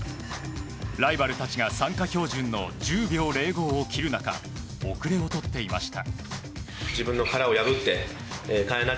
ライバルたちが参加標準の１０秒０５を切る中後れを取っていました。